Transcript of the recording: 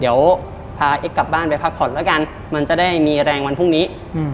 เดี๋ยวพาเอ็กกลับบ้านไปพักผ่อนแล้วกันมันจะได้มีแรงวันพรุ่งนี้